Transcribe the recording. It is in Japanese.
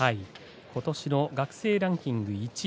ことしの学生ランキング１位。